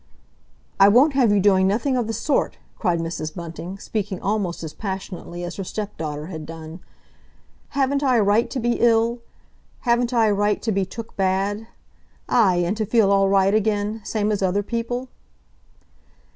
"I won't have you doing nothing of the sort!" cried Mrs. Bunting, speaking almost as passionately as her stepdaughter had done. "Haven't I a right to be ill, haven't I a right to be took bad, aye, and to feel all right again—same as other people?"